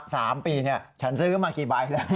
สามปีเนี่ยฉันซื้อมากี่ใบแล้ว